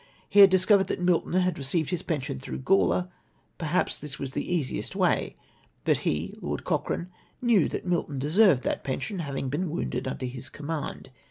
He had discovered that Milton had received his pension througli Gawler, perhaps this was the easiest way; but he (Lord Cochrane) knew that Milton deserved that pension, having been wounded under his command.